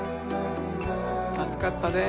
暑かったねえ。